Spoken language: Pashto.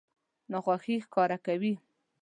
ناخوښي ښکاره کوي.